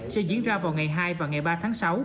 sẽ diễn ra vào ngày hai và ngày ba tháng sáu